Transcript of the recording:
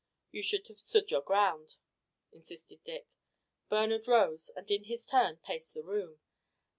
"You should have stood your ground," insisted Dick. Bernard rose and in his turn paced the room.